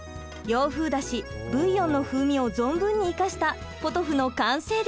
洋風だし・ブイヨンの風味を存分に生かしたポトフの完成です。